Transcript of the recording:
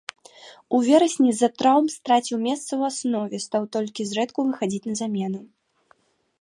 У верасні з-за траўм страціў месца ў аснове, стаў толькі зрэдку выхадзіць на замену.